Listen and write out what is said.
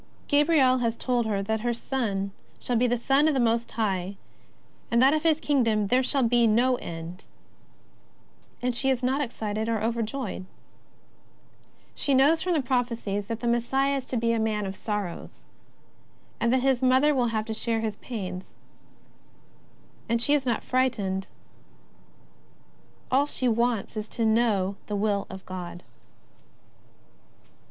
Gabriel has told her that her Son shall be the Son of the Most High, that of His Kingdom there shall be no end — and she is not excited or overjoyed. She knows from the prophecies that the Messiah is to be a Man of Sorrows, and that His Mother will have to share His pains — and she is not frightened. All she wants is to know the Will of God.